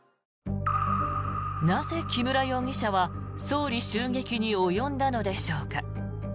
なぜ木村容疑者は総理襲撃に及んだのでしょうか。